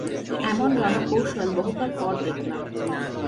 এমন রণকৌশল বহুকাল পর দেখলাম।